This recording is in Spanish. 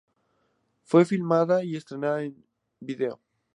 Fue filmada y estrenada en video.